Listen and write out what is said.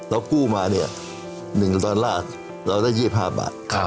แล้วกู้มาเนี่ยหนึ่งตลาดเราได้๒๕บาท